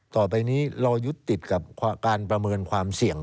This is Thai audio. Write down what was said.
ต่อไปนี้เรายึดติดกับการประเมินความเสี่ยง